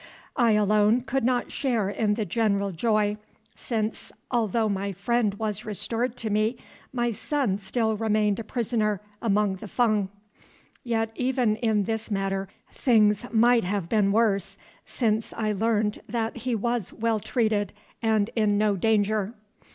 I alone could not share in the general joy, since, although my friend was restored to me, my son still remained a prisoner among the Fung. Yet even in this matter things might have been worse, since I learned that he was well treated, and in no danger.